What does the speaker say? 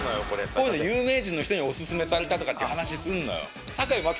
有名人の人におすすめされたとかっていう話すんのよ